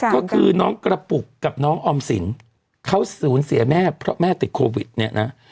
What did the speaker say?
ก็คือน้องกระปุกกับน้องออมสินเขาสูญเสียแม่เพราะแม่ติดโควิดเนี่ยนะ